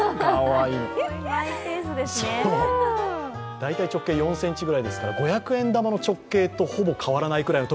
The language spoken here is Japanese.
大体直径４ｃｍぐらいですから五百円玉の直径と同じぐらいのと